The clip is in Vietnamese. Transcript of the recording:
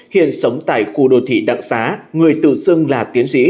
hiện sống tại khu đô thị đặng xá người tự xưng là tiến sĩ